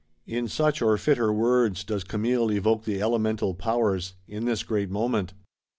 In such, or fitter words, does Camille evoke the Elemental Powers, in this great moment.